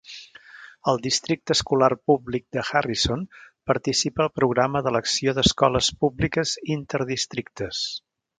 El Districte escolar públic de Harrison participa al Programa d'elecció d'escoles públiques interdistrictes.